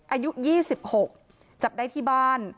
อายุ๒๖จับได้ที่บ้าน